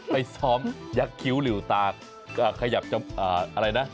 ไปซ้อมยักษ์คิ้วหลิวตาขยับอะไรนะ